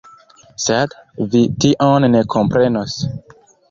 Sed vi tion ne komprenos.